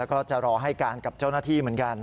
ก็จะรอให้การกับเจ้าหน้าที่เหมือนกัน